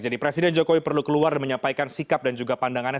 jadi presiden jokowi perlu keluar dan menyampaikan sikap dan juga pandangannya